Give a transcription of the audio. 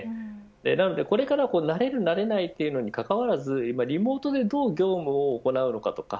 なのでこれからは慣れる慣れないにかかわらず今、リモートでどう業務を行うのか。